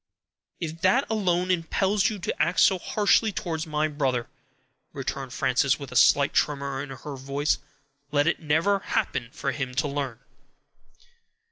"If that alone impels you to act so harshly towards my brother," returned Frances, with a slight tremor in her voice, "let it never happen for him to learn."